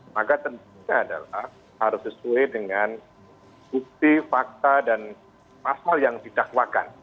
maka tentunya adalah harus sesuai dengan bukti fakta dan pasal yang didakwakan